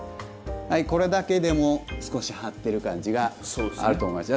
これだけでも少し張ってる感じがあると思います。